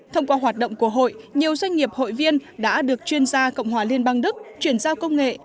thông qua hoạt động của hội nhiều doanh nghiệp hội viên đã được chuyên gia cộng hòa liên bang đức chuyển giao công nghệ